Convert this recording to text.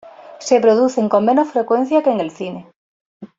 Se producen con menos frecuencia que en el cine.